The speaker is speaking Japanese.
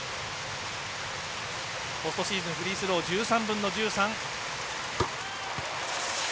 ポストシーズンフリースロー１３分の１３。